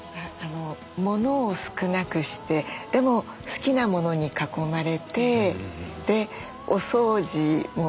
物を少なくしてでも好きな物に囲まれてでお掃除もきれいにできて。